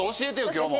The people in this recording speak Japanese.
今日も。